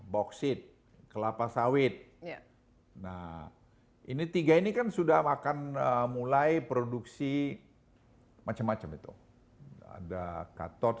boksit kelapa sawit ya nah ini tiga ini kan sudah akan mulai produksi macam macam itu ada katot